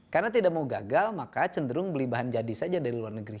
karena tidak mau gagal maka cenderung beli bahan jadi saja dari luar negeri